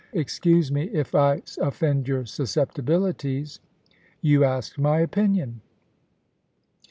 Excuse me if I offend your susceptibilities ; you asked my opinion.'